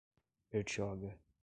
Bertioga